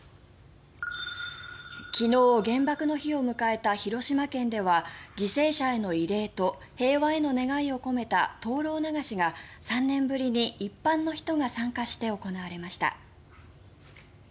昨日、原爆の日を迎えた広島県では、犠牲者への慰霊と平和への願いを込めた灯ろう流しが３年ぶりに一般の人が参加して行われました。